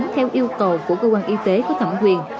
theo yêu cầu của cơ quan y tế có thẩm quyền